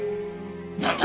なんだ？